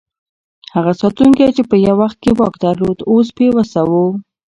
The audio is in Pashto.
هغه ساتونکی چې یو وخت یې واک درلود، اوس بې وسه و.